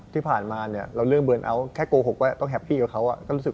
ที่ผ่านมาเนี่ยเราเรื่องเบิร์นเอาท์แค่โกหกว่าต้องแฮปปี้กับเขาก็รู้สึก